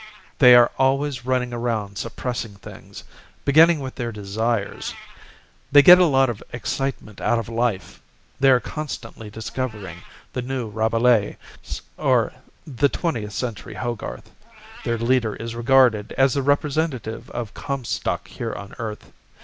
They are always running around suppressing things, Beginning with their desires. They get a lot of excitement out of life, They are constantly discovering The New Rabelais Or the Twentieth Century Hogarth. Their leader is regarded As the representative of Comstock here on earth.